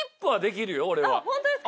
あっホントですか？